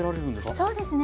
そうですね